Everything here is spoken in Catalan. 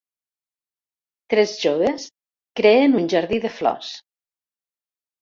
Tres joves creen un jardí de flors